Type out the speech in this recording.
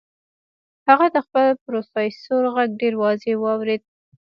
هغه د خپل پروفيسور غږ ډېر واضح واورېد.